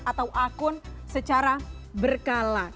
atau akun secara berkala